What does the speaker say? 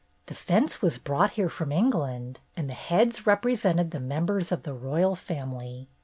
The fence was brought here from England, and the heads represented the members of the royal family.